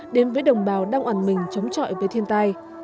đến với đồng bào đang ẩn mình chống trọi với thiên tai